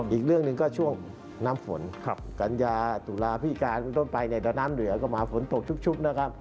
อีกเรื่องหนึ่งก็ช่วงน้ำฝนกัญญาตุลาพิการต้นไปเนี่ยแต่น้ำเหนือก็มาฝนตกชุกนะครับ